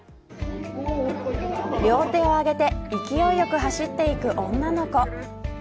両手を上げて勢いよく走っていく女の子。